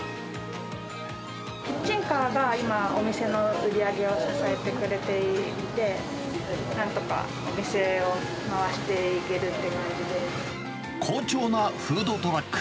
キッチンカーが、今、お店の売り上げを支えてくれていて、なんとか、お店を回していけるっ好調なフードトラック。